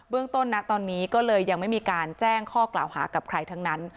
ต้นนะตอนนี้ก็เลยยังไม่มีการแจ้งข้อกล่าวหากับใครทั้งนั้น